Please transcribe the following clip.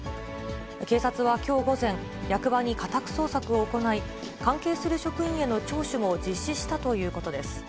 警察はきょう午前、役場に家宅捜索を行い、関係する職員への聴取も実施したということです。